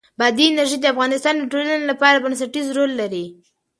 بادي انرژي د افغانستان د ټولنې لپاره بنسټيز رول لري.